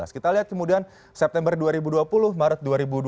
kita lihat kemudian september dua ribu dua puluh maret dua ribu dua puluh